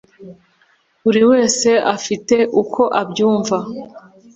buri wese afite uko abyumva”